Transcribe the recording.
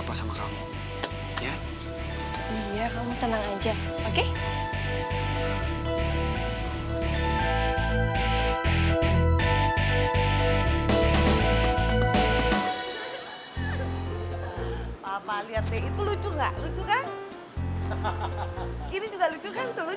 adaremo itu udah selain kamu